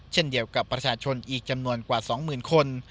เช่นเดียวกับประชาชนอีกจำนวนกว่า๒๐๐๐คน